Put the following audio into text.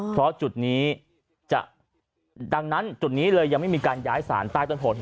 เพราะจุดนี้จะดังนั้นจุดนี้เลยยังไม่มีการย้ายสารใต้ต้นโพ